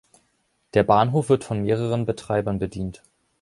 Der Bahnhof wird von mehreren Betreibern bedient.